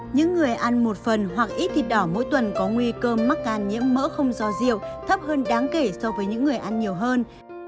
những người ăn một phần hoặc ít thịt đỏ mỗi tuần có nguy cơ mắc can nhiễm mỡ không do rượu thấp hơn đáng kể so với những người ăn nhiều hơn